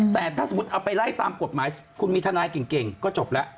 แต่ถ้าสมมุติเอาไปไล่ตามกฎหมายคุณมีทนายเก่งก็จบแล้ว